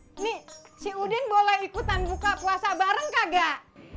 udin nih si udin boleh ikutan buka puasa bareng kagak